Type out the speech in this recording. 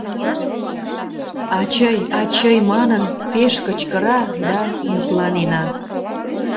«Ачый, ачый!» манын, пеш кычкыра да, мутланена!